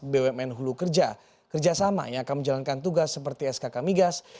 bumn hulu kerja kerjasama yang akan menjalankan tugas seperti skk migas